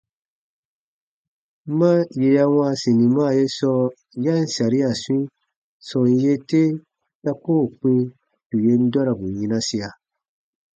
Ma yè ya wãa sinima ye sɔɔ ya ǹ saria swĩi, sɔm yee te ta koo kpĩ tù yen dɔrabu yinasia.